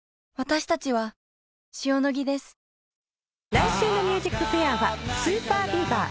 来週の『ＭＵＳＩＣＦＡＩＲ』はＳＵＰＥＲＢＥＡＶＥＲ。